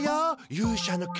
勇者の剣。